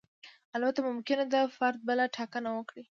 البته ممکنه ده فرد بله ټاکنه وکړي.